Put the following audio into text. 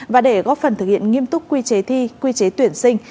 và để góp phần thực hiện nghiêm túc quy chế thi quy chế tuyển sinh